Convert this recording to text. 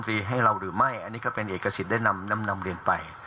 ปิดจุดอนปิดวิกฤตต่างเช่นวิกฤตรรัฐมานูลได้